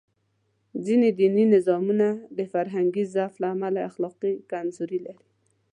ځینې دیني نظامونه د فرهنګي ضعف له امله اخلاقي کمزوري لري.